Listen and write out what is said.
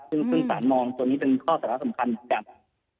ซึ่งศาลมองเท่านี้เป็นข้อสำคัญอย่างหน้า